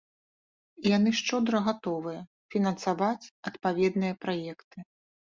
І яны шчодра гатовыя фінансаваць адпаведныя праекты.